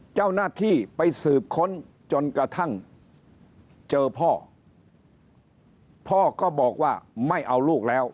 เจ้าหน้าที่ไปสืบค้นจนกระทั่งเจอพ่อพ่อก็บอกว่าไม่เอาลูกแล้ว